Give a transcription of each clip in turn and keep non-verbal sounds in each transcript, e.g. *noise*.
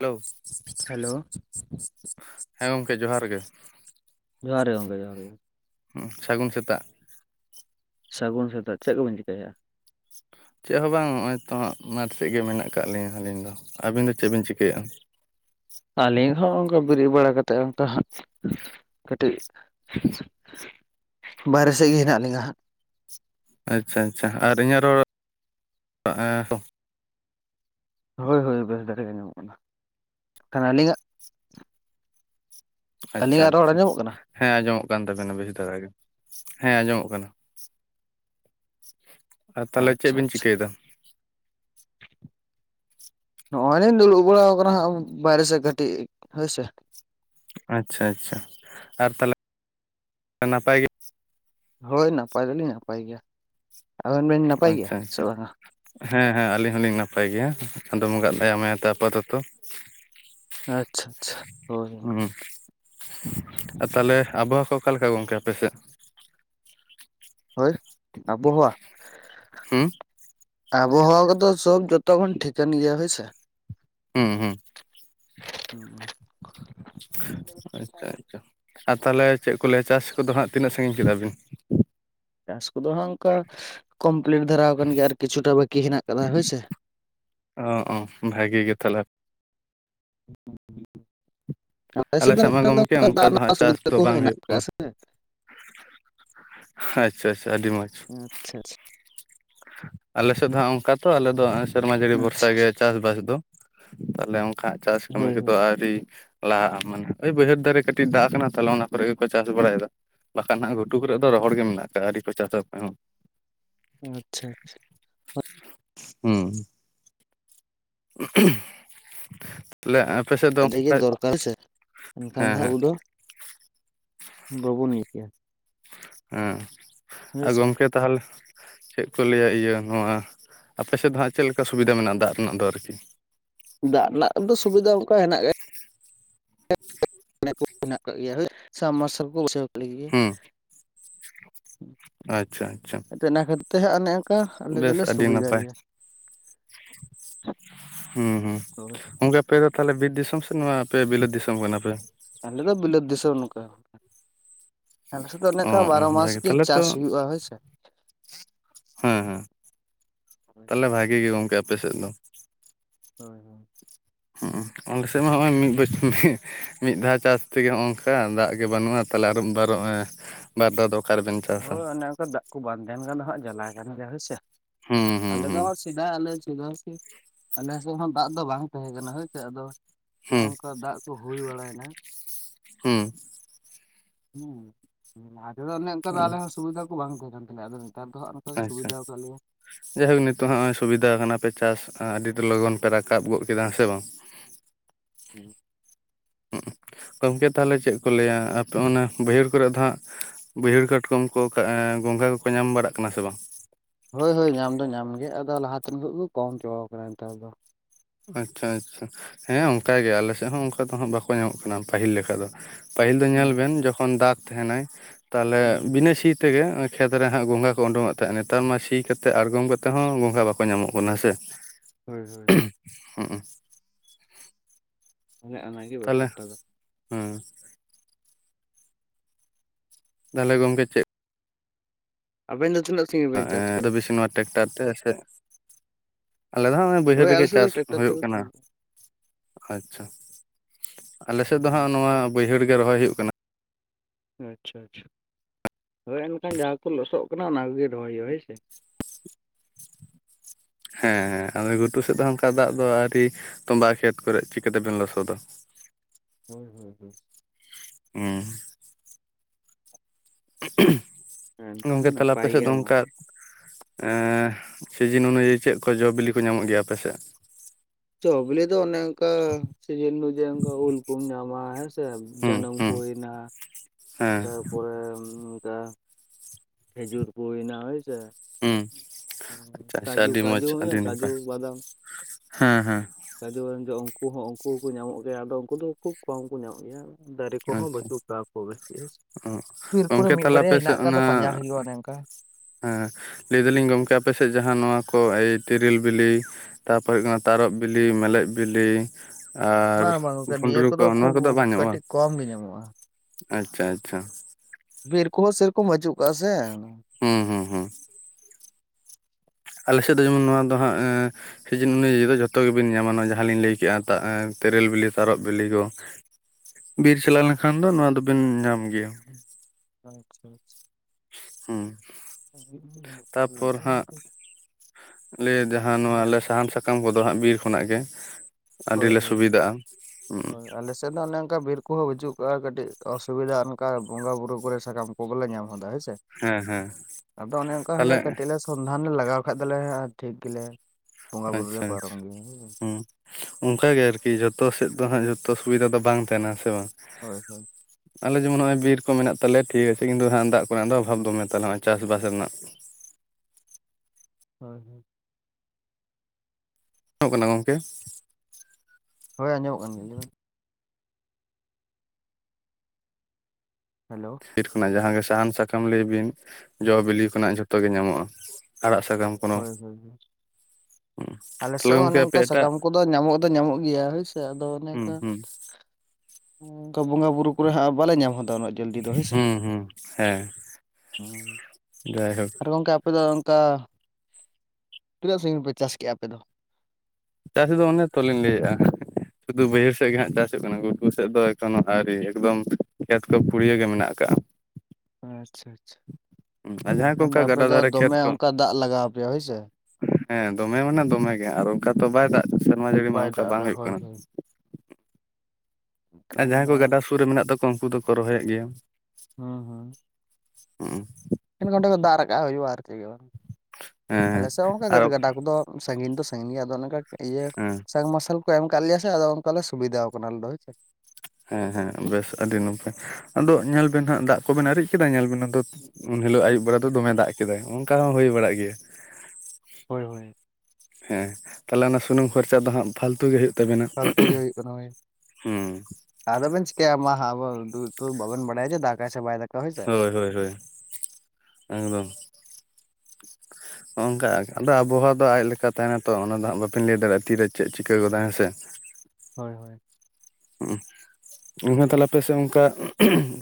Hello hello ᱦᱮᱸ ᱜᱚᱝᱠᱮ ᱡᱚᱦᱟᱨ ᱜᱮ᱾ ᱡᱚᱦᱟᱨ ᱜᱮ ᱜᱚᱝᱠᱮ ᱡᱚᱦᱟᱨ ᱜᱮ ᱥᱟᱹᱜᱩᱱ ᱥᱮᱛᱟᱜ᱾ ᱥᱟᱹᱜᱩᱱ ᱥᱮᱛᱟᱜ ᱪᱮᱫ ᱠᱚᱵᱤᱱ ᱪᱤᱠᱟᱹᱭᱟ? ᱪᱮᱫ ᱦᱚᱸ ᱵᱟᱝ ᱱᱚᱜᱼᱚᱭ ᱛᱚᱜ ᱦᱟᱜ ᱢᱟᱴᱷ ᱥᱮᱫ ᱜᱮ ᱢᱮᱱᱟᱜ ᱟᱠᱟᱫ ᱞᱤᱧᱟᱹ ᱟᱹᱞᱤᱧ ᱫᱚ, ᱟᱹᱵᱤᱱ ᱫᱚ ᱪᱮᱫ ᱵᱤᱱ ᱪᱤᱠᱟᱹᱭᱮᱫᱼᱟ? ᱟᱹᱞᱤᱧ ᱦᱚᱸ ᱚᱱᱠᱟ ᱵᱮᱨᱮᱫ ᱵᱟᱲᱟ ᱠᱟᱛᱮ ᱚᱱᱠᱟᱸ, ᱠᱟᱹᱴᱤᱡ ᱵᱟᱦᱨᱮ ᱥᱮᱫ ᱜᱮ ᱦᱮᱱᱟᱜ ᱞᱤᱧᱟᱹ ᱦᱟᱸᱜ᱾ ᱟᱪᱪᱷᱟ ᱟᱪᱪᱷᱟ ᱟᱨ ᱤᱧᱟᱹᱜ ᱨᱚᱲ, ᱦᱚᱸ ᱦᱳᱭ ᱦᱳᱭ ᱵᱮᱥ ᱫᱷᱟᱨ ᱜᱤ ᱟᱸᱡᱚᱢᱚᱜ ᱠᱟᱱᱟ, ᱟᱨ ᱟᱞᱤᱧᱟᱜ? ᱟᱪᱪᱷᱟ ᱟᱹᱞᱤᱧᱟᱜ ᱨᱚᱲ ᱟᱪᱪᱷᱟ ᱟᱸᱡᱟᱢᱚᱜ ᱠᱟᱱᱟ? ᱦᱮᱸ ᱟᱸᱡᱚᱢᱚᱜ ᱠᱟᱱ ᱛᱟᱵᱮᱱᱟ ᱵᱮᱥᱤ ᱫᱷᱟᱨᱟ ᱜᱮ, ᱦᱮᱸ ᱟᱸᱡᱚᱢᱚᱜ ᱠᱟᱱᱟ᱾ ᱟᱨ ᱛᱟᱦᱞᱮ ᱪᱮᱫ ᱟᱪᱪᱷᱟ ᱵᱤᱱ ᱟᱪᱪᱷᱟ ᱪᱤᱠᱟᱹᱭᱫᱟ? ᱱᱚᱜᱼᱚᱭ ᱞᱤᱧ ᱫᱩᱲᱩᱵ ᱵᱟᱲᱟ ᱟᱠᱟᱱᱟ ᱦᱟᱸᱜ ᱵᱟᱭᱨᱮ ᱥᱮᱫ ᱠᱟᱹᱴᱤᱡ ᱦᱳᱭᱥᱮ᱾ ᱟᱪᱪᱷᱟ ᱟᱪᱪᱷᱟ ᱟᱨ ᱛᱟᱦᱚᱞᱮ ᱱᱟᱯᱟᱭ ᱜᱮ? ᱦᱳᱭ ᱱᱟᱯᱟᱭ ᱫᱚᱞᱤᱧ ᱱᱟᱯᱟᱭ ᱜᱮᱭᱟ᱾ ᱟᱵᱚᱱ ᱟᱪᱪᱷᱟ ᱟᱪᱪᱷᱟ᱾ ᱦᱮᱸ ᱦᱮᱸ ᱟᱹᱞᱤᱧ ᱦᱚᱞᱤᱧ ᱱᱟᱯᱟᱭ ᱜᱮᱭᱟ, ᱟᱫᱚᱢ ᱵᱚᱝᱜᱟ ᱫᱟᱭᱟ ᱢᱟᱭᱟ ᱟᱯᱟᱛᱚᱛᱚ᱾ ᱟᱪᱪᱷᱟ ᱟᱪᱪᱷᱟ ᱦᱳᱭ᱾ ᱦᱩᱸ ᱟᱨ ᱛᱟᱦᱚᱞᱮ ᱟᱵᱚᱦᱟᱣᱟ ᱠᱚ ᱚᱠᱟᱞᱮᱠᱟ ᱜᱚᱝᱠᱮ ᱟᱯᱮ ᱥᱮᱫ? ᱦᱳᱭ ᱟᱵᱚᱦᱚᱣᱟ᱾ ᱦᱩᱸ ᱟᱵᱚᱦᱚᱣᱟ ᱠᱚᱫᱚ ᱥᱚᱵ ᱡᱚᱛᱚᱠᱷᱚᱱ ᱴᱷᱤᱠᱟᱹᱱ ᱜᱮᱭᱟ ᱦᱳᱭᱥᱮ᱾ ᱦᱩᱸ ᱦᱩᱸ *inaudible* ᱟᱪᱪᱷᱟ ᱟᱪᱪᱷᱟ ᱟᱨ ᱛᱟᱦᱞᱮ ᱪᱮᱫ ᱠᱚ ᱞᱟᱹᱭᱟ ᱪᱟᱥ ᱠᱚᱫᱚ ᱦᱟᱸᱜ ᱛᱤᱱᱟᱹᱜ ᱥᱟᱺᱜᱤᱧ ᱠᱮᱫᱟ ᱵᱤᱱ? ᱪᱟᱥ ᱠᱚᱫᱚ ᱦᱟᱜ ᱚᱱᱠᱟ ᱠᱚᱢᱯᱤᱞᱤᱴ ᱫᱷᱟᱨᱟᱣ ᱠᱟᱱ ᱜᱮᱭᱟ ᱟᱨ ᱠᱤᱪᱷᱩᱴᱟ ᱵᱟᱠᱤ ᱦᱮᱱᱟᱜ ᱠᱟᱫᱟ ᱦᱳᱭᱥᱮ᱾ ᱚ ᱚ ᱵᱷᱟᱜᱮ ᱜᱮ ᱛᱟᱦᱚᱞᱮ᱾ *inaudible* ᱟᱞᱮ ᱟᱞᱮᱥᱱ ᱫᱚ ᱥᱮᱫ ᱢᱟ ᱱᱚᱝᱠᱷᱟᱱ ᱫᱚ ᱜᱚᱢᱠᱮ ᱫᱟᱜ ᱚᱱᱠᱟ ᱫᱚ ᱨᱮᱱᱟᱜ ᱦᱟᱸᱜ ᱪᱟᱥ ᱚᱥᱩᱵᱤᱫᱷᱟ ᱫᱚ ᱠᱚᱦᱚᱸ ᱵᱟᱝ ᱦᱮᱱᱟᱜ ᱦᱩᱭᱩᱜ ᱠᱟᱫ ᱠᱟᱱᱟ ᱥᱮ᱾ ᱟᱪᱪᱷᱟ ᱟᱪᱪᱷᱟ ᱟᱹᱰᱤ ᱢᱚᱡᱽ᱾ ᱟᱪᱪᱷᱟ ᱟᱪᱪᱷᱟ ᱟᱞᱮ ᱥᱮᱫ ᱫᱚ ᱦᱟᱸᱜ ᱚᱱᱠᱟ ᱛᱚ ᱟᱞᱮ ᱫᱚ ᱥᱮᱨᱢᱟ ᱡᱟᱹᱲᱤ ᱵᱷᱚᱨᱥᱟ ᱟᱪᱪᱷᱟ ᱜᱮ ᱪᱟᱥᱵᱟᱥ ᱫᱚ᱾ ᱛᱟᱦᱞᱮ ᱚᱱᱠᱟ ᱪᱟᱥ ᱠᱟᱹᱢᱤ ᱦᱳᱭ ᱠᱚᱫᱚ ᱦᱳᱭ ᱟᱣᱨᱤ ᱞᱟᱦᱟᱜᱼᱟ ᱢᱟᱱᱮ ᱳᱭ ᱵᱟᱹᱭᱦᱟᱹᱲ ᱫᱟᱨᱮ ᱠᱟᱹᱴᱤᱡ ᱫᱟᱜ ᱠᱟᱱᱟ ᱛᱟᱦᱚᱞᱮ ᱚᱱᱟ ᱠᱚᱨᱮ ᱜᱮᱠᱚ ᱪᱟᱥ ᱵᱟᱲᱟᱭᱫᱟ᱾ ᱵᱟᱠᱷᱟᱱ ᱦᱟᱜ ᱜᱷᱩᱴᱩ ᱠᱚᱨᱮ ᱫᱚ ᱨᱚᱦᱚᱲ ᱜᱮ ᱢᱮᱱᱟᱜ ᱠᱫᱼᱟ ᱟᱹᱨᱤ ᱠᱚ ᱪᱟᱥᱟ ᱚᱠᱚᱭ ᱦᱚᱸ᱾ ᱟᱪᱪᱷᱟ ᱾ ᱦᱩᱸ᱾ ᱛᱟᱞᱦᱮ ᱟᱯᱮ ᱥᱮᱫ ᱫᱚ ᱟᱹᱰᱤ ᱜᱮ ᱚᱱᱠᱟ ᱫᱚᱨᱠᱟᱨ ᱥᱮ ᱮᱱᱠᱷᱟᱱ ᱦᱮᱸ ᱫᱚ ᱦᱟᱸᱜ ᱦᱮᱸ ᱟᱵᱚ ᱫᱚ ᱵᱟᱵᱚᱱ ᱤᱭᱮ ᱠᱮᱭᱟ ᱦᱮᱸ ᱦᱳᱭ ᱟᱨ ᱥᱮ᱾ ᱜᱚᱢᱠᱮ ᱛᱟᱦᱚᱞᱮ ᱪᱮᱫ ᱠᱚ ᱞᱟᱹᱭᱟ ᱤᱭᱟᱹ ᱱᱚᱣᱟ? ᱟᱯᱮ ᱥᱮᱫ ᱫᱚ ᱪᱮᱫ ᱞᱮᱠᱟ ᱥᱩᱵᱤᱫᱟ ᱢᱮᱱᱟᱜᱼᱟ ᱫᱟᱜ ᱨᱮᱱᱟᱜ ᱫᱚ ᱟᱨᱠᱤ? ᱫᱟᱜ ᱨᱮᱱᱟᱜ ᱫᱚ ᱥᱩᱵᱤᱫᱷᱟ ᱚᱱᱠᱟ ᱦᱮᱱᱟᱜ ᱜᱮᱭᱟ᱾ ᱦᱮᱱᱟᱜ ᱟᱠᱟᱫ ᱜᱮᱭᱟ ᱦᱳᱭ ᱥᱟᱨ ᱢᱟᱨᱥᱟᱞ ᱠᱚ ᱵᱳᱭᱥᱟᱹᱣ ᱦᱩᱸ ᱟᱪᱪᱷᱟ ᱟᱪᱪᱷᱟ᱾ ᱟᱫᱚ ᱚᱱᱟ ᱠᱷᱟᱹᱛᱤᱨ ᱛᱮ ᱦᱟᱜ ᱚᱱᱮ ᱚᱱᱠᱟ ᱟᱞᱮ ᱵᱮᱥ ᱫᱚᱞᱮ ᱟᱹᱰᱤ ᱥᱩᱵᱤᱫᱟ ᱱᱟᱯᱟᱭ ᱜᱮᱭᱟ᱾ ᱦᱩᱸ ᱦᱩᱸ ᱦᱳᱭ ᱜᱚᱝᱠᱮ ᱟᱯᱮᱫᱚ ᱛᱟᱦᱚᱞᱮ ᱵᱤᱨ ᱫᱤᱥᱚᱢ ᱥᱮ ᱱᱚᱣᱟ ᱟᱯᱮ ᱵᱤᱞᱟᱹᱛ ᱫᱤᱥᱚᱢ ᱠᱟᱱᱟᱯᱮ? ᱟᱞᱮ ᱫᱚ ᱵᱤᱞᱟᱹᱛ ᱫᱤᱥᱚᱢ ᱱᱚᱝᱠᱟ᱾ ᱟᱞᱮ ᱥᱮᱫ ᱫᱚ ᱚ ᱚᱱᱮᱠᱟ ᱚ ᱵᱟᱨᱚ ᱢᱟᱥ ᱵᱷᱟᱜᱮ ᱜᱮ ᱛᱟᱦᱚᱞᱮ ᱛᱚ ᱪᱟᱥ ᱦᱩᱭᱩᱜᱼᱟ ᱦᱳᱭᱥᱮ᱾ ᱦᱮᱸ ᱦᱮᱸ᱾ ᱦᱳᱭ᱾ ᱛᱟᱦᱚᱞᱮ ᱵᱷᱟᱜᱤ ᱜᱮ ᱜᱚᱝᱠᱮ ᱟᱯᱮᱥᱮᱫ ᱫᱚ᱾ ᱦᱳᱭ ᱦᱳᱭ᱾ ᱦᱩᱜ ᱩᱭ ᱚᱸᱝᱥᱮᱫ ᱢᱟ ᱦᱚᱸᱜᱼᱚᱭ ᱢᱤᱫ ᱵᱚᱪᱷᱚᱨ *unintelligible* ᱢᱤᱫ ᱫᱷᱟᱣ ᱪᱟᱥ ᱛᱮᱜᱮ ᱱᱚᱜ ᱱᱚᱝᱠᱟ ᱫᱟᱜ ᱜᱮ ᱵᱟᱹᱱᱩᱜᱼᱟ ᱛᱟᱦᱞᱮ ᱟᱨ ᱵᱟᱨᱚ ᱮ ᱵᱟᱨ ᱫᱷᱟᱣ ᱫᱚ ᱚᱠᱟᱨᱮᱵᱮᱱ- ᱪᱟᱥᱟ ᱦᱳᱭ ᱚᱱᱮ ᱚᱱᱠᱟ ᱫᱟᱜ ᱠᱚ ᱵᱟᱸᱝ ᱛᱟᱦᱮᱱ ᱠᱷᱟᱱ ᱫᱚ ᱦᱳᱭ ᱡᱟᱞᱟ ᱠᱟᱱ ᱜᱮᱭᱟ ᱦᱳᱭᱥᱮ ᱦᱩᱸ ᱦᱩᱸ ᱟᱞᱮ ᱦᱩᱸ ᱪᱮᱫᱟᱜ ᱟᱞᱮ ᱪᱮᱫᱟᱜ ᱥᱮ ᱟᱞᱮ ᱥᱮᱫ ᱦᱚᱸ ᱫᱟᱜ ᱫᱚ ᱵᱟᱝ ᱛᱟᱦᱮᱸ ᱠᱟᱱᱟ ᱦᱳᱭ ᱪᱮ ᱟᱫᱚ ᱱᱚᱜ ᱦᱩᱸ ᱱᱚᱝᱠᱟ ᱫᱟᱜ ᱠᱚ ᱦᱩᱭ ᱵᱟᱲᱟ ᱭᱮᱱᱟ᱾ ᱦᱩᱸ᱾ ᱦᱩᱸ ᱞᱟᱦᱟ ᱛᱮᱫ ᱚᱱᱮ ᱚᱱᱠᱟ ᱫᱚ ᱟᱞᱮᱦᱚ ᱦᱩᱸ ᱥᱩᱵᱤᱫᱷᱟ ᱠᱚ ᱵᱟᱝ ᱛᱟᱦᱮᱸ ᱠᱟᱱ ᱛᱟᱞᱮᱭᱟ ᱟᱫᱚ- ᱱᱮᱛ ᱫᱚ ᱦᱟᱸᱜ ᱱᱚᱝᱠᱟ ᱜᱮ ᱟᱪᱪᱷᱟ ᱥᱩᱵᱤᱫᱷᱟ ᱟᱠᱟᱫ ᱞᱮᱭᱟ᱾ ᱡᱟᱭᱦᱳᱠ ᱱᱤᱛᱚᱜ ᱦᱟᱸᱜ ᱱᱚᱜᱼᱚᱭ ᱥᱩᱵᱤᱫᱷᱟ ᱠᱟᱱᱟ ᱯᱮ ᱪᱟᱥ ᱟᱹᱰᱤ ᱞᱚᱜᱚᱱ ᱯᱮ ᱨᱟᱠᱟᱵ ᱜᱚᱫ ᱠᱮᱫᱟ ᱦᱮᱸ ᱥᱮ ᱵᱟᱝ? ᱦᱩᱸ᱾ ᱜᱚᱝᱠᱮ ᱛᱟᱦᱞᱮ ᱪᱮᱫ ᱠᱚ ᱞᱟᱹᱭᱟ ᱟᱯᱮ ᱚᱱᱟ ᱵᱟᱹᱭᱦᱟᱹᱲ ᱠᱚᱨᱮᱜ ᱫᱚ ᱦᱟᱸᱜ- ᱵᱟᱹᱭᱦᱟᱹᱲ ᱠᱟᱴᱠᱚᱢ ᱠᱚ ᱜᱚᱝᱜᱷᱟ ᱠᱚᱠᱚ ᱧᱟᱢ ᱵᱟᱲᱟᱜ ᱠᱟᱱᱟ ᱥᱮ ᱵᱟᱝ? ᱦᱳᱭ ᱦᱳᱭ ᱧᱟᱢ ᱫᱚ ᱧᱟᱢ ᱜᱮ ᱟᱫᱚ ᱞᱟᱦᱟᱛᱮᱱ ᱠᱦᱚᱡ ᱠᱚ ᱠᱚᱢ ᱪᱟᱵᱟ ᱟᱠᱟᱱᱟ ᱱᱮᱛᱟᱨ ᱫᱚ᱾ ᱟᱪᱪᱷᱟ ᱟᱪᱪᱷᱟ ᱦᱮᱸ ᱚᱱᱠᱟᱜᱮ ᱟᱞᱮ ᱥᱮᱫ ᱦᱚᱸ ᱚᱱᱠᱟ ᱫᱚ ᱦᱟᱸᱜ ᱵᱟᱠᱚ ᱧᱟᱢᱚᱜ ᱠᱟᱱᱟ ᱯᱟᱹᱦᱤᱞ ᱞᱮᱠᱟ ᱫᱚ᱾ ᱯᱟᱹᱦᱤᱞ ᱫᱚ ᱧᱮᱞ ᱦᱩᱸ ᱵᱮᱱ ᱡᱚᱠᱷᱚᱱ ᱫᱟᱜᱽ ᱛᱟᱦᱮᱱᱟᱭ ᱛᱟᱦᱚᱞᱮ ᱦᱩᱸ ᱵᱤᱱᱟᱹ ᱥᱤ ᱛᱮᱜᱮ- ᱠᱷᱮᱛ ᱨᱮ ᱦᱟᱸᱜ ᱜᱚᱝᱜᱷᱟ ᱠᱚ ᱩᱰᱩᱝᱭᱮᱫ ᱛᱟᱦᱮᱸᱜ ᱱᱮᱛᱟᱨ ᱢᱟ ᱥᱤ ᱠᱟᱛᱮ ᱟᱬᱜᱚᱢ ᱠᱟᱛᱮ ᱦᱚᱸ ᱜᱚᱝᱜᱷᱟ ᱵᱟᱠᱚ ᱧᱟᱢᱚᱜ ᱠᱟᱱᱟ ᱥᱮ? ᱦᱩᱸ- ᱦᱳᱭ ᱦᱳᱭ ᱚᱱᱮ ᱚᱱᱟᱜᱮ ᱛᱟᱦᱚᱞᱮ ᱵᱮᱯᱟᱨ ᱴᱟ ᱫᱚ- ᱦᱮᱸ- ᱛᱟᱦᱞᱮ ᱜᱚᱝᱠᱮ ᱪᱮᱫ- ᱟᱵᱮᱱ ᱫᱚ ᱛᱤᱱᱟᱹᱜ ᱥᱟᱹ- ᱵᱮᱥᱤ ᱱᱚᱣᱟ ᱴᱮᱠᱴᱟᱨ ᱛᱮ ᱥᱮ ᱟᱞᱮ ᱫᱚ ᱦᱟᱸᱜ ᱵᱟᱹᱭᱦᱟᱹᱲ ᱦᱳᱭ ᱨᱮᱜᱮ ᱟᱞᱮ ᱥᱮᱫ ᱫᱚ ᱪᱟᱥ ᱴᱨᱟᱠᱴᱟᱨ ᱦᱩᱭᱩᱜ ᱛᱮᱠᱚ ᱥᱤ ᱠᱟᱱᱟ᱾ ᱟᱪᱪᱷᱟ ᱟᱞᱮ ᱥᱮᱫ ᱫᱚ ᱦᱟᱸᱜ ᱱᱚᱣᱟ ᱵᱟᱹᱭᱦᱟᱹᱲ ᱜᱮ ᱨᱚᱦᱚᱭ ᱦᱩᱭᱩᱜ ᱠᱟᱱᱟ᱾ ᱟᱪᱪᱷᱟ ᱟᱪᱪᱷᱟ ᱦᱳᱭ ᱮᱱᱠᱷᱟᱱ ᱡᱟᱦᱟᱸ ᱠᱚ ᱞᱚᱥᱚᱜ ᱠᱟᱱᱟ ᱚᱱᱟ ᱠᱚᱜᱮ ᱨᱚᱦᱚᱭ ᱦᱩᱭᱩᱜᱼᱟ ᱦᱳᱭ ᱥᱮ? ᱦᱮᱸ ᱟᱫᱚ ᱜᱷᱩᱴᱩ ᱥᱮᱫ ᱫᱚ ᱚᱱᱠᱟ ᱫᱟᱜ ᱫᱚ ᱟᱣᱨᱤ ᱛᱚᱸᱢᱵᱟ ᱠᱷᱮᱛ ᱠᱚᱨᱮ ᱪᱤᱠᱟᱹᱛᱮᱵᱮᱱ ᱞᱚᱥᱚᱫᱟ᱾ ᱦᱳᱭ ᱦᱳᱭ ᱦᱳᱭ ᱚᱻ ᱮᱱᱠᱷᱟᱱ ᱜᱚᱝᱠᱮ ᱛᱟᱦᱞᱟᱮ ᱟᱯᱮ ᱱᱟᱯᱟᱭ ᱥᱮᱫ ᱜᱮᱭᱟ ᱫᱚ ᱢᱟ ᱚᱝᱠᱟ- ᱮᱻ ᱥᱤᱡᱤᱱ ᱚᱱᱩᱡᱟᱭᱤ ᱪᱮᱫ ᱠᱚ ᱡᱚ ᱵᱤᱞᱤ ᱠᱚ ᱧᱟᱢᱚᱜ ᱜᱮᱭᱟ ᱟᱯᱮᱥᱮᱫ? ᱪᱚᱵᱮᱞᱮ ᱫᱚ ᱚᱱᱮ- ᱚᱱᱠᱟ ᱥᱤᱡᱤᱱ ᱫᱚ ᱡᱮ ᱚᱱᱠᱟ ᱩᱞ ᱧᱟᱢᱟ ᱦᱮᱸ ᱥᱮ ᱦᱩᱸ ᱡᱟᱱᱩᱢ ᱠᱚ ᱦᱩᱸ ᱦᱤᱱᱟᱜᱼᱟ ᱾ ᱦᱮᱸ ᱛᱟᱨᱯᱚᱨᱮ ᱚᱱᱠᱟ ᱠᱷᱮᱡᱩᱨ ᱠᱚ ᱦᱩᱭᱱᱟ ᱦᱳᱭ ᱦᱩᱸ ᱟᱪᱪᱷᱟ ᱟᱪᱪᱷᱟ ᱠᱟᱡᱩ ᱟᱹᱰᱤ ᱠᱟᱡᱩ ᱢᱚᱸᱡᱽ ᱟᱹᱰᱤ ᱦᱩᱭᱩᱜ-ᱟ ᱠᱟᱡᱩ ᱱᱟᱯᱟᱭ ᱵᱟᱫᱟᱢ? ᱦᱮᱸ ᱦᱮᱸ᱾ ᱠᱟᱡᱩ ᱵᱟᱫᱟᱢ ᱡᱚ ᱩᱱᱠᱩ ᱦᱚᱸ ᱩᱱᱠᱩ ᱦᱚᱸᱠᱚ ᱧᱟᱢᱚᱜ ᱜᱮᱭᱟ ᱟᱫᱚ ᱩᱱᱠᱩ ᱫᱚ ᱠᱷᱩᱵ ᱠᱚᱢ ᱠᱚ ᱧᱟᱢᱚᱜ ᱜᱮᱭᱟ᱾ ᱫᱟᱨᱮ ᱠᱚᱦᱚᱸ ᱟᱪᱪᱷᱟ ᱵᱟᱹᱪᱩᱜ ᱟᱠᱟᱫ ᱠᱚᱜᱮ᱾ ᱚ ᱜᱚᱝᱠᱮ ᱛᱟᱦᱚᱞᱮ ᱟᱯᱮ ᱥᱮᱫ ᱦᱮᱱᱟᱜ ᱟᱠᱟᱫ ᱫᱚ ᱯᱟᱸᱡᱟ ᱚᱱᱟ- ᱦᱩᱭᱩᱜᱼᱟ ᱚᱱᱮ ᱚᱱᱠᱟ ᱦᱮᱸ ᱞᱟᱹᱭ ᱫᱟᱞᱤᱧ ᱜᱚᱢᱠᱮ ᱟᱯᱮᱥᱮᱫ ᱡᱟᱦᱟᱸ ᱱᱚᱣᱟ ᱠᱚ ᱮᱭ ᱛᱤᱨᱤᱞ ᱵᱮᱞᱮ ᱛᱟᱯᱚᱨᱮ ᱦᱩᱭᱩᱜ ᱠᱟᱱᱟ ᱛᱟᱨᱚᱵ ᱵᱤᱞᱤ ᱢᱮᱞᱮᱡ ᱵᱤᱞᱤ ᱟᱨ ᱵᱟᱝ ᱵᱟᱝ ᱜᱚᱝᱠᱮ ᱱᱤᱭᱟᱹ ᱵᱷᱩᱱᱰᱨᱩ ᱠᱚ ᱱᱚᱣᱟ ᱠᱚᱫᱚ ᱠᱷᱩᱵ ᱵᱟᱝ ᱧᱚᱜᱼᱟ ᱵᱟᱝ? ᱠᱟᱹᱴᱤᱡ ᱠᱚᱢ ᱜᱮ ᱧᱟᱢᱚᱜᱼᱟ᱾ ᱟᱪᱪᱷᱟ ᱟᱪᱪᱷᱟ᱾ ᱵᱤᱨ ᱠᱚᱦᱚᱸ ᱥᱮᱨᱚᱠᱚᱢ ᱵᱟᱹᱪᱩᱜ ᱠᱟᱼᱟ ᱥᱮ᱾ ᱦᱩᱸ ᱦᱩᱸ ᱦᱩᱸ, ᱟᱞᱮ ᱥᱮᱫ ᱫᱚ ᱡᱮᱢᱚᱱ ᱱᱚᱣᱟ ᱫᱚ ᱦᱟᱸᱜ ᱟᱹᱻ ᱥᱤᱡᱤᱱ ᱚᱱᱩᱡᱟᱹᱭᱤ ᱫᱚ ᱡᱷᱚᱛᱚ ᱜᱮᱵᱤᱱ ᱧᱟᱢᱟ ᱱᱚᱣᱟ ᱡᱟᱦᱟᱸ ᱞᱤᱧ ᱞᱟᱹᱭ ᱠᱮᱜᱼᱟ ᱛᱟ ᱮᱻ ᱛᱮᱨᱮᱞ ᱵᱮᱞᱮ ᱛᱟᱨᱚᱵ ᱵᱮᱞᱮ ᱠᱚ᱾ ᱵᱤᱨ ᱪᱟᱞᱟᱣ ᱞᱮᱱᱠᱷᱟᱱ ᱫᱚ ᱱᱚᱣᱟ ᱫᱚᱵᱮᱱ ᱧᱟᱢ ᱜᱮᱭᱟ᱾ ᱟᱪᱪᱷᱟ ᱟᱪᱪᱷᱟ ᱦᱩᱸ *unintelligible* ᱞᱟᱹᱭ ᱡᱟᱦᱟᱸ ᱱᱚᱣᱟ ᱟᱞᱮ ᱥᱟᱦᱟᱱ ᱥᱟᱠᱟᱢ ᱠᱚᱫᱚ ᱦᱟᱸᱜ ᱵᱤᱨ ᱠᱷᱚᱱᱟᱜ ᱜᱮ᱾ ᱦᱳᱭ ᱟᱹᱰᱤᱞᱮ ᱦᱳᱭ, ᱥᱩᱵᱤᱫᱷᱟᱜᱼᱟ ᱦᱩᱸ ᱦᱳᱭ ᱟᱞᱮᱥᱮᱫ ᱫᱚ ᱚᱱᱮ ᱚᱱᱠᱟ ᱵᱤᱨᱼᱼ ᱠᱚᱭ ᱦᱡᱩᱜ ᱠᱚᱼᱟ ᱠᱟᱹᱴᱤᱡ ᱚᱥᱩᱵᱤᱫᱟ ᱚᱱᱠᱟ ᱵᱚᱸᱜᱟ ᱵᱩᱨᱩ ᱠᱚᱨᱮ ᱥᱟᱠᱟᱢ ᱠᱩ ᱵᱟᱞᱮ ᱧᱟᱢ ᱦᱚᱫᱟ ᱦᱳᱭ ᱥᱮ᱾ ᱦᱮᱸ ᱦᱮᱸ ᱟᱫᱚ ᱚᱱᱮ ᱚᱱᱠᱟ ᱦᱚᱞᱮ ᱛᱟᱦᱚᱞᱮ ᱠᱟᱹᱴᱤᱡ ᱞᱮ ᱥᱚᱱᱫᱷᱟᱱ ᱞᱮ ᱞᱟᱜᱟᱣ ᱠᱷᱟᱡ ᱫᱚᱞᱮ ᱴᱷᱤᱠ ᱜᱮᱞᱮᱼᱼ ᱵᱩᱜᱟᱵᱩᱨᱩᱨᱞᱮ ᱯᱟᱨᱚᱢᱜᱮᱭᱟ ᱦᱳᱭ ᱥᱮ ᱩᱱᱠᱟᱜᱤ ᱟᱨᱠᱤ ᱡᱚᱛᱚ ᱥᱮᱫ ᱫᱚ ᱦᱟᱜ ᱡᱚᱛᱚ ᱥᱩᱵᱤᱫᱷᱟ ᱫᱚ ᱵᱟᱝ ᱛᱟᱦᱮᱱᱟ ᱥᱮ ᱵᱟᱝ? ᱦᱳᱭ ᱦᱳᱭ᱾ ᱟᱞᱮ ᱡᱮᱢᱚᱱ ᱱᱚᱜᱼᱚᱭ ᱵᱤᱨ ᱠᱩ ᱢᱮᱱᱟᱜ ᱛᱟᱞᱮ ᱴᱷᱤᱠ ᱟᱪᱷᱮ ᱠᱤᱱᱛᱩ ᱦᱮᱸ‌ ᱫᱟᱜ ᱠᱚᱨᱮᱱᱟᱜ ᱫᱚ ᱚᱵᱷᱟᱵᱽ ᱫᱚᱢᱮ ᱛᱟᱞᱮ ᱦᱚᱜᱼᱚᱭ ᱪᱟᱥᱵᱟᱥ ᱨᱮᱱᱟᱜᱼᱼ ᱦᱳᱭ ᱦᱳᱭ᱾ ᱠᱟᱱᱟ ᱜᱚᱝᱠᱮ? ᱦᱳᱭ ᱟᱸᱡᱚᱢᱚᱜ ᱠᱟᱱ ᱜᱮᱭᱟ ᱞᱟᱹᱭᱵᱮᱱ᱾ ᱦᱮᱞᱳ᱾ ᱠᱷᱚᱱᱟᱜ ᱡᱟᱦᱟᱸ ᱜᱮ ᱥᱟᱦᱟᱱ ᱥᱟᱠᱟᱢ ᱞᱟᱹᱭ ᱵᱤᱱ ᱡᱚ ᱵᱤᱞᱤ ᱠᱷᱚᱱᱟᱜ ᱡᱷᱚᱛᱚ ᱜᱮ ᱧᱟᱢᱚᱜᱼᱟ, ᱟᱲᱟᱜ ᱥᱟᱠᱟᱢᱼᱼ ᱦᱳᱭ ᱦᱳᱭ ᱦᱳᱭ᱾ ᱛᱟᱦᱚᱞᱮ ᱟᱞᱮᱥᱮᱜ ᱦᱚᱸ ᱜᱚᱝᱠᱮ ᱚᱱᱮ ᱟᱯᱮ ᱚᱱᱠᱟ ᱮᱴᱟᱜ ᱥᱟᱠᱟᱢ ᱠᱚᱫᱚ ᱧᱟᱢᱚᱜ ᱫᱚ ᱧᱟᱢᱚᱜ ᱜᱮᱭᱟ ᱦᱳᱭᱥᱮ᱾ ᱟᱫᱚ ᱚᱱᱮᱼᱼ ᱩᱸ ᱦᱩᱸ᱾ ᱚᱱᱠᱟ ᱵᱚᱸᱜᱟᱼᱵᱩᱨᱩ ᱠᱚᱨᱮ ᱦᱟᱸᱜ ᱵᱟᱞᱮ ᱧᱟᱢ ᱦᱚᱫᱟ ᱩᱱᱟᱹᱜ ᱡᱚᱞᱫᱤ ᱫᱚ ᱦᱮᱸᱥᱮ᱾ ᱦᱩᱸ ᱦᱩᱸ ᱦᱮᱸ ᱡᱟᱭᱦᱳᱠ᱾ ᱟᱯᱮ ᱫᱚ ᱚᱝᱠᱟᱼᱼ ᱛᱤᱱᱟᱹᱜ ᱥᱟᱺᱜᱤᱧ ᱯᱮ ᱪᱟᱥᱠᱮᱜᱼᱟ ᱟᱯᱮ ᱫᱚ? ᱪᱟᱥᱤ ᱫᱚ ᱚᱱᱮ ᱛᱚ ᱞᱤᱧ ᱞᱟᱹᱭᱮᱜᱼᱟ᱾ ᱥᱩᱫᱩ ᱵᱟᱹᱭᱦᱟᱹᱲ ᱥᱮᱫ ᱜᱮ ᱦᱟᱸᱜ ᱪᱟᱥ ᱦᱩᱭᱩᱜ ᱠᱟᱱᱟ, ᱜᱩᱴᱩ ᱥᱮᱜ ᱫᱚ ᱮᱠᱷᱚᱱᱳ ᱟᱨᱤ ᱮᱠᱫᱚᱢ ᱠᱷᱮᱛ ᱠᱚ ᱯᱩᱲᱭᱟᱹ ᱜᱮ ᱢᱮᱱᱟᱜ ᱟᱠᱟᱟᱜᱼᱟ᱾ ᱟᱪᱪᱷᱟ ᱟᱪᱪᱷᱟ, ᱟᱨ ᱡᱟᱦᱟᱸᱭ ᱠᱚ ᱮᱱᱠᱷᱟᱱ ᱫᱚ ᱚᱱᱠᱟ ᱟᱯᱮ ᱜᱟᱰᱟ ᱫᱚ ᱫᱷᱟᱨᱮ ᱠᱷᱮᱛ ᱫᱚᱢᱮ ᱠᱚ ᱚᱱᱠᱟ ᱫᱟᱜ ᱞᱟᱜᱟᱣᱟᱯᱮᱭᱟ ᱦᱳᱭᱥᱮ᱾ ᱦᱮᱸ ᱫᱚᱢᱮ ᱢᱟᱱᱮ ᱫᱚᱢᱮ ᱜᱮ ᱟᱨ ᱚᱱᱠᱟ ᱛᱚ ᱵᱟᱭ ᱫᱟᱜ ᱥᱮᱨᱢᱟ ᱡᱟᱹᱲᱤ ᱢᱟ ᱵᱟᱭ ᱚᱱᱠᱟ ᱫᱟᱜ ᱵᱟᱝ ᱮᱫᱟ ᱦᱩᱭᱩᱜ ᱦᱳᱭ ᱠᱟᱱᱟ᱾ ᱦᱳᱭ ᱟᱨ ᱠᱷᱟᱱ ᱡᱟᱸᱦᱟᱸᱭ ᱫᱚ ᱠᱚ ᱜᱟᱰᱟ ᱥᱩᱨ ᱨᱮ ᱢᱮᱱᱟᱜ ᱛᱟᱠᱚᱣᱟ ᱩᱱᱠᱩ ᱫᱚᱠᱚ ᱨᱚᱦᱚᱭᱮᱜ ᱜᱮᱭᱟ᱾ ᱦᱩᱸ ᱦᱩᱸ ᱦᱩᱸᱜ-ᱩ᱾ ᱮᱠᱮᱱ ᱜᱟᱰᱟ ᱫᱚ ᱫᱟᱜ ᱨᱟᱠᱟᱜ ᱦᱩᱭᱩᱜᱼᱟ ᱟᱨᱠᱟᱜ ᱦᱩᱭᱩᱜ-ᱟ ᱟᱨᱠᱤ, ᱦᱮᱸ ᱟᱞᱮᱥᱮ ᱦᱚᱸ ᱚᱱᱠᱟ ᱟᱨ ᱜᱟᱹᱛ ᱜᱟᱰᱟ ᱠᱚᱫᱚᱼᱼ ᱥᱟᱺᱜᱤᱧ ᱫᱚ ᱥᱟᱺᱜᱤᱧ ᱜᱮᱭᱟ ᱟᱫᱚ ᱚᱱᱮ ᱚᱱᱠᱟ ᱤᱭᱟᱹᱼᱼ ᱦᱮᱸ ᱥᱟᱝ ᱢᱚᱥᱟᱞ ᱠᱚ ᱮᱢ ᱠᱟᱜ ᱞᱮᱭᱟ ᱥᱮ ᱟᱫᱚ ᱚᱱᱠᱟᱞᱮ ᱥᱩᱵᱤᱫᱷᱟᱣ ᱠᱟᱱᱟ ᱟᱞᱮᱫᱚ ᱦᱳᱭ ᱥᱮ᱾ ᱦᱮᱸ ᱦᱮᱸ ᱵᱮᱥ ᱟᱹᱰᱤ ᱱᱟᱯᱟᱭ᱾ ᱟᱫᱚ ᱧᱮᱞ ᱵᱮᱱ ᱦᱟᱸᱜ ᱫᱟᱜ ᱠᱚᱵᱮᱱ ᱟᱨᱤᱡ ᱠᱮᱫᱟ ᱧᱮᱞ ᱵᱮᱱ ᱟᱫᱚ ᱩᱱᱦᱤᱞᱳᱜ ᱟᱹᱩᱭᱩᱵ ᱵᱮᱲᱟᱼᱼ ᱫᱚ ᱫᱚᱢᱮ ᱫᱟᱜ ᱠᱮᱫᱟᱭ ᱚᱱᱠᱟ ᱦᱚᱸ ᱦᱩᱭ ᱵᱟᱲᱟᱜ ᱜᱮᱭᱟ᱾ ᱦᱳᱭ ᱦᱳᱭ᱾ ᱦᱮᱸ ᱛᱟᱦᱞᱮ ᱚᱱᱟ ᱥᱩᱱᱩᱢ ᱠᱷᱚᱨᱪᱟ ᱫᱚ ᱦᱟᱸᱜ ᱯᱷᱟᱞᱛᱩ ᱜᱮ ᱦᱩᱭᱩᱜ ᱛᱟᱵᱮᱱᱟ᱾ ᱯᱷᱟᱞᱛᱩ ᱜᱮ ᱦᱩᱭᱩᱜ ᱠᱟᱱᱟ ᱦᱳᱭ ᱦᱩᱸ ᱟᱫᱚ ᱵᱮᱱ ᱪᱤᱠᱟᱭᱟ ᱢᱟ ᱵᱟᱵᱮᱱ ᱫᱩ ᱛᱩ ᱵᱟᱵᱚᱱ ᱵᱟᱰᱟᱭᱟ ᱡᱮ ᱫᱟᱜᱟᱭ ᱥᱮ ᱵᱟᱭ ᱫᱟᱜᱟ᱾ ᱦᱳᱭ ᱦᱳᱭ ᱦᱳᱭ ᱮᱠᱫᱚᱢ᱾ ᱱᱚᱜᱼᱚ ᱱᱚᱝᱠᱟ ᱟᱫᱚ ᱟᱵᱚᱦᱟᱣᱟ ᱫᱚ ᱟᱡ ᱞᱮᱠᱟ ᱛᱟᱦᱮᱱᱟ ᱛᱚ ᱚᱱᱟ ᱫᱚ ᱦᱟᱸᱜ ᱵᱟᱹᱵᱤᱱ ᱞᱟᱹᱭ ᱫᱟᱲᱮᱭᱟᱜᱼᱟ ᱛᱤᱨᱮ ᱪᱮᱫ ᱪᱤᱠᱟᱹ ᱜᱚᱫᱟᱭ ᱦᱮᱸ ᱥᱮ᱾ *inaudible* ᱦᱳᱭ ᱦᱳᱭ᱾ ᱦᱩᱸ ᱜᱚᱝᱠᱮ ᱛᱟᱦᱚᱞᱮ ᱟᱯᱮᱥᱮᱫ ᱚᱱᱠᱟ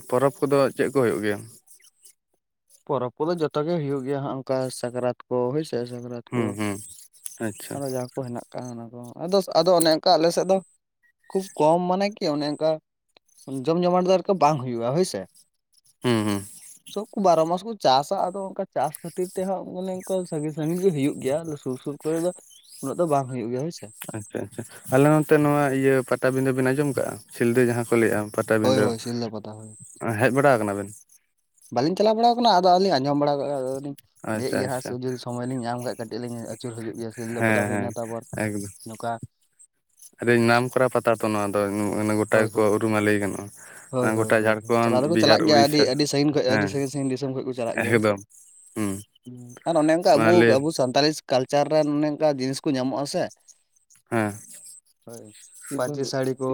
ᱯᱚᱨᱚᱵᱽ ᱠᱚᱫᱚ ᱪᱮᱫ ᱠᱚ ᱦᱩᱭᱩᱜ ᱜᱮᱭᱟ? ᱯᱚᱨᱚᱵᱽ ᱠᱚᱫᱚ ᱡᱚᱛᱚ ᱜᱮ ᱦᱩᱭᱩᱜ ᱜᱮᱭᱟ, ᱦᱟᱜ ᱚᱱᱠᱟ ᱥᱟᱠᱨᱟᱛ ᱠᱚ ᱦᱚᱭ ᱥᱮ ᱥᱟᱠᱨᱟᱛ ᱠᱚ, ᱦᱩᱸ ᱦᱩᱸ ᱟᱪᱪᱷᱟ ᱟᱫᱚ ᱡᱟᱠᱼᱼ ᱦᱮᱱᱟᱜ ᱟᱠᱟᱫ ᱚᱱᱟ ᱠᱚ ᱟᱫᱚ ᱟᱫᱚ ᱚᱱᱮ ᱚᱱᱠᱟ ᱟᱞᱮ ᱥᱮᱫ ᱫᱚ, ᱠᱷᱩᱵ ᱠᱚᱢ ᱢᱟᱱᱮ ᱠᱤ ᱚᱱᱮ ᱚᱱᱠᱟ ᱡᱚᱢ ᱡᱚᱢᱟᱴ ᱫᱚ ᱟᱨ ᱠᱤ ᱵᱟᱝ ᱦᱩᱭᱩᱜᱼᱟ ᱦᱳᱭ ᱥᱮ᱾ ᱦᱩᱸ ᱦᱩᱸ᱾ ᱵᱟᱨᱚ ᱢᱟᱥ ᱠᱚ ᱪᱟᱥᱟ ᱟᱫᱚ ᱚᱱᱠᱟ ᱪᱟᱥ ᱠᱷᱟᱹᱛᱤᱨ ᱛᱮᱦᱟᱜ ᱢᱟᱱᱮ ᱚᱱᱠᱟ ᱥᱟᱺᱜᱤᱧ ᱥᱟᱺᱜᱤᱧ ᱜᱮ ᱦᱩᱭᱩᱜ ᱜᱮᱭᱟ ᱥᱩᱨ ᱥᱩᱨ ᱠᱚᱨᱮ ᱫᱚ ᱩᱱᱟᱹᱜ ᱫᱚ ᱵᱟᱝ ᱦᱩᱭᱩᱜ ᱜᱮᱭᱟ ᱦᱳᱭ ᱥᱮ᱾ ᱟᱪᱪᱷᱟ ᱟᱪᱪᱷᱟ ᱟᱞᱮ ᱱᱚᱛᱮ ᱱᱚᱣᱟ ᱤᱭᱟ ᱯᱟᱴᱟᱵᱤᱸᱫᱟ ᱵᱮᱱ ᱟᱸᱡᱚᱢ ᱠᱟᱜᱼᱟ ᱥᱤᱞᱫᱟᱹ ᱡᱟᱦᱟᱸ ᱠᱚ ᱞᱟᱹᱭᱟ? ᱦᱳᱭ ᱯᱟᱴᱟᱵᱤᱸᱫᱟ ᱦᱳᱭ ᱥᱤᱞᱫᱟᱹ ᱯᱟᱛᱟ ᱦᱳᱭ ᱦᱮᱡ ᱵᱟᱲᱟ ᱟᱠᱟᱱᱟ ᱵᱮᱱ? ᱵᱟᱞᱤᱧ ᱪᱟᱞᱟ ᱵᱟᱲᱟᱣ ᱟᱠᱟᱱᱟ ᱟᱫᱚ ᱟᱞᱤᱧ ᱟᱸᱡᱚᱢ ᱵᱟᱲᱟᱠᱟᱜᱼᱟ ᱟᱫᱚᱞᱤᱧ ᱞᱟᱹᱭᱮᱫ ᱟᱪᱪᱷᱟ ᱜᱮᱭᱟ ᱦᱟᱜ ᱟᱪᱪᱷᱟ ᱥᱩᱨ ᱥᱚᱢᱚᱭ ᱞᱤᱧ ᱧᱟᱢ ᱠᱷᱟᱡ ᱠᱟᱹᱴᱤᱡ ᱞᱤᱧ ᱟᱹᱪᱩᱨ ᱦᱤᱡᱩᱜ ᱜᱮᱭᱟ ᱥᱤᱞᱫᱟᱹ ᱦᱮᱸ ᱯᱟᱛᱟ ᱦᱮᱸ ᱦᱩᱭᱱᱟ ᱛᱟᱯᱚᱨ ᱮᱠᱫᱚᱢ ᱱᱚᱝᱠᱟ ᱟᱹᱰᱤ ᱱᱟᱢ ᱠᱚᱨᱟ ᱯᱟᱛᱟ ᱛᱚ ᱱᱚᱣᱟ ᱫᱚ ᱜᱚᱴᱟ ᱦᱳᱭ ᱜᱮᱠᱚ ᱦᱳᱭ ᱩᱨᱩᱢᱟ ᱞᱟᱹᱭ ᱜᱟᱱᱚᱜᱼᱟ᱾ ᱦᱳᱭ ᱦᱳᱭ ᱜᱚᱴᱟ ᱦᱳᱭ ᱪᱟᱞᱟᱣ ᱡᱷᱟᱲᱠᱷᱚᱸᱰ ᱫᱚᱠᱚ ᱪᱟᱞᱟᱜ ᱵᱤᱦᱟᱨ ᱜᱮᱭᱟ ᱩᱲᱤᱥᱥᱟ ᱟᱹᱰᱤ ᱥᱟᱺᱜᱤᱧ ᱠᱷᱚᱱ ᱟᱹᱰᱤ ᱦᱮᱸ ᱥᱟᱺᱜᱤᱧ ᱥᱟᱺᱜᱤᱧ ᱫᱤᱥᱚᱢ ᱠᱷᱚᱡ ᱠᱚ ᱪᱟᱞᱟᱜ ᱜᱮᱭᱟ ᱦᱚᱭ ᱥᱮ᱾ ᱮᱠᱫᱚᱢ ᱦᱩᱸ ᱟᱨ ᱚᱱᱮ ᱚᱱᱠᱟ ᱢᱟ ᱟᱵᱚ ᱞᱟᱹᱭ ᱟᱵᱚ ᱥᱟᱱᱛᱟᱞᱤᱥ ᱠᱟᱞᱪᱟᱨ ᱨᱮ ᱚᱱᱮ ᱚᱱᱠᱟᱱ ᱡᱤᱱᱤᱥ ᱠᱚ ᱧᱟᱢᱚᱜᱼᱟ ᱥᱮ᱾ ᱦᱮᱸ᱾ ᱯᱟᱹᱧᱪᱤ ᱥᱟᱹᱲᱤ ᱠᱚ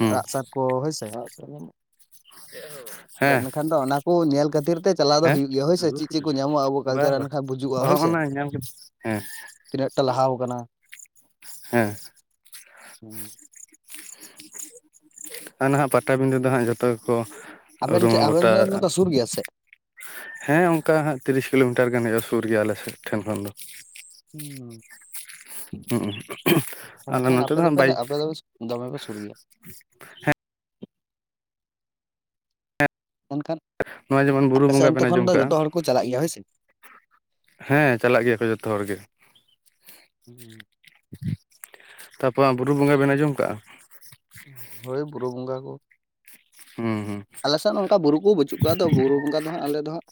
ᱦᱩᱸ ᱟᱸᱜ ᱥᱟᱨ ᱠᱚ ᱦᱳᱭᱥᱮ *unintelligible* ᱪᱮᱫ ᱦᱚᱸ ᱵᱟ᱾ ᱟᱫᱚ ᱮᱱ ᱠᱷᱟᱱ ᱫᱚ ᱚᱱᱟ ᱠᱚ ᱧᱮᱞ ᱠᱷᱟᱹᱛᱤᱨ ᱛᱮ ᱪᱟᱞᱟᱣ ᱫᱚ ᱦᱮᱸ ᱦᱩᱭᱩᱜ ᱜᱮᱭᱟ ᱦᱳᱭᱥᱮ ᱪᱮᱫ ᱪᱮᱫ ᱠᱚ ᱧᱟᱢᱚᱜᱼᱟ ᱟᱵᱚ ᱠᱟᱞᱪᱟᱨ ᱨᱮ ᱦᱚᱜᱱᱟ ᱧᱟᱢ ᱠᱮᱫᱟ ᱦᱮᱸ᱾ ᱛᱤᱱᱟᱹᱜ ᱴᱟ ᱞᱟᱦᱟᱣ ᱠᱟᱱᱟ᱾ ᱦᱮᱸ᱾ ᱟᱨ ᱱᱟᱦᱟᱜ ᱯᱟᱴᱟᱵᱤᱸᱫᱟ ᱫᱚ ᱦᱟᱸᱜ ᱡᱚᱛᱚ ᱜᱮᱠᱚ ᱟᱵᱮᱱ ᱩᱨᱩᱢᱟ ᱴᱷᱮᱱ ᱟᱵᱮᱱ ᱜᱚᱴᱟ ᱴᱷᱮᱱ ᱫᱚ ᱥᱩᱨ ᱜᱮᱭᱟ ᱥᱮ ᱦᱮᱸ ᱚᱱᱠᱟ ᱦᱟᱜ ᱛᱤᱨᱤᱥ ᱠᱤᱞᱳᱢᱤᱴᱟᱨ ᱜᱟᱱ ᱦᱩᱭᱩᱜᱼᱟ ᱥᱩᱨ ᱜᱮᱭᱟ ᱟᱞᱮ ᱥᱮᱫ ᱴᱷᱮᱱ ᱠᱷᱚᱱ ᱫᱚ᱾ ᱦᱩᱸ ᱦᱩᱸ ᱟᱞᱮ ᱢᱮᱱᱠᱷᱟᱱ ᱱᱚᱛᱮ ᱟᱯᱮ ᱫᱚᱯᱮ ᱟᱯᱮ ᱫᱚ ᱯᱮ ᱥᱩᱨ ᱫᱚᱢᱮᱞ ᱯᱮ ᱥᱩᱨ ᱜᱮᱭᱟ᱾ ᱦᱮᱸ ᱚᱱᱠᱟᱱ ᱱᱚᱣᱟ ᱡᱮᱢᱚᱱ ᱵᱩᱨᱩ ᱵᱚᱸᱜᱟ ᱵᱮᱱ ᱟᱸᱡᱚᱢ ᱠᱟᱜᱼᱟ᱾ ᱦᱚᱲ ᱠᱚ ᱪᱟᱞᱟᱜ ᱜᱮᱭᱟ ᱦᱚᱭ ᱥᱮ᱾ ᱦᱮᱸ ᱪᱟᱞᱟᱜ ᱜᱮᱭᱟ ᱠᱚ ᱡᱚᱛᱚ ᱦᱚᱲ ᱜᱮ᱾ ᱦᱩᱸ᱾ ᱛᱟᱯᱚᱨ ᱵᱩᱨᱩ ᱵᱚᱸᱜᱟ ᱵᱮᱱ ᱟᱸᱡᱚᱢ ᱠᱟᱜᱼᱟ? ᱦᱳᱭ ᱵᱩᱨᱩ ᱵᱚᱸᱜᱟ ᱠᱚ ᱦᱮᱸ ᱦᱩᱸ᱾ ᱟᱞᱮᱥᱮᱫ ᱚᱱᱠᱟ ᱵᱩᱨᱩ ᱠᱚ ᱵᱟᱹᱪᱩᱜ ᱠᱟᱜᱟ ᱛᱚ ᱵᱩᱨᱩ ᱵᱚᱸᱜᱟ ᱫᱚ ᱦᱟᱸᱜ ᱟᱞᱮ ᱫᱚᱦᱟᱸᱜ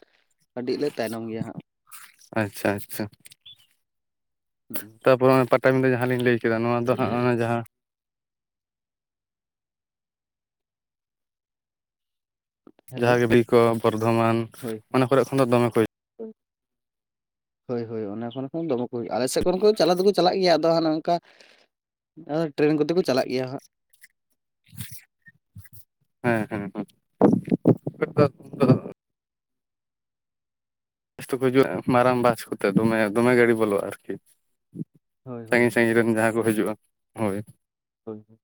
ᱟᱹᱰᱤ ᱞᱮ ᱛᱟᱭᱱᱚᱢ ᱜᱮᱭᱟ ᱦᱟᱸᱜ᱾ ᱟᱪᱪᱷᱟ ᱟᱪᱪᱷᱟ᱾ ᱦᱩᱸ᱾ ᱛᱟᱯᱚᱨ ᱚᱱᱟ ᱯᱟᱴᱟᱵᱤᱸᱫᱟ ᱡᱟᱦᱟᱸ ᱞᱤᱧ ᱞᱟᱹᱭ ᱠᱮᱫᱟ ᱱᱚᱣᱟ ᱫᱚ ᱦᱟᱜ ᱚᱱᱟ ᱡᱟᱦᱟᱸ ᱦᱮᱞᱳ ᱡᱟᱦᱟᱸ *unintelligible* ᱠᱚ ᱵᱚᱨᱫᱷᱚᱢᱟᱱ ᱦᱳᱭ ᱚᱱᱟ ᱠᱚᱨᱮᱜ ᱠᱷᱚᱱ ᱫᱚ ᱫᱚᱢᱮ ᱠᱚ ᱦᱳᱭ ᱦᱳᱭ ᱚᱱᱟ ᱠᱚᱨᱮ ᱠᱷᱚᱱ ᱫᱚᱢᱮ ᱠᱚ ᱦᱩᱭᱩᱜᱼᱟ ᱟᱞᱮ ᱥᱮᱫ ᱠᱚᱨᱮ ᱠᱷᱚᱱ ᱪᱟᱞᱟᱣ ᱫᱚᱠᱚ ᱪᱟᱞᱟᱜ ᱜᱮᱭᱟ ᱟᱫᱚ ᱚᱱᱮ ᱚᱱᱠᱟ ᱟᱫᱚ ᱴᱨᱮᱱ ᱠᱚᱛᱮ ᱠᱚ ᱪᱟᱞᱟᱜ ᱜᱮᱭᱟ ᱦᱟᱸᱜ᱾ *inaudible* ᱦᱮᱸ ᱦᱮᱸ ᱦᱮᱸ *unintelligible* ᱡᱚᱛᱚ ᱠᱚ ᱦᱤᱡᱩᱜᱼᱟ ᱢᱟᱨᱟᱝ ᱵᱟᱥ ᱠᱚᱛᱮ ᱫᱚᱢᱮ ᱫᱚᱢᱮ ᱜᱟᱹᱰᱤ ᱵᱚᱞᱚᱜᱼᱟ ᱟᱨᱠᱤ᱾ ᱦᱳᱭ ᱦᱳᱭ ᱥᱟᱺᱜᱤᱧ ᱦᱳᱭ ᱥᱟᱺᱜᱤᱧ ᱨᱮᱱ ᱡᱟᱦᱟᱸᱭ ᱠᱚ ᱦᱤᱡᱩᱜᱼᱟ ᱦᱳᱭ᱾ ᱦᱳᱭ ᱦᱳᱭ᱾